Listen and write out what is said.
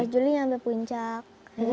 lima belas juli sampai puncak